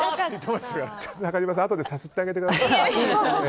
中島さん、あとでさすってあげてください。